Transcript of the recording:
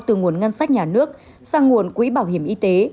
từ nguồn ngân sách nhà nước sang nguồn quỹ bảo hiểm y tế